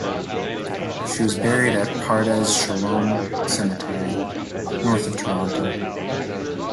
She was buried at Pardes Shalom Cemetery, north of Toronto.